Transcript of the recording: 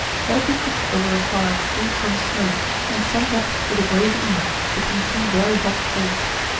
Let it be cooked over a fire free from smoke, and sent up with the gravy in it, between two very hot plates.